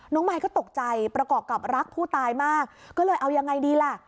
มายก็ตกใจประกอบกับรักผู้ตายมากก็เลยเอายังไงดีล่ะ